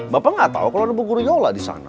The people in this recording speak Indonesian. bapak gak tau kalo ada buguryola disana